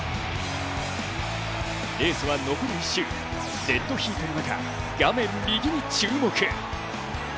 レースは残り１周、デッドヒートの中、画面右に注目。